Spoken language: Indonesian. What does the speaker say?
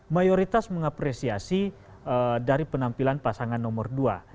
mayoritas mengapresiasi dari penampilan pasangan nomor dua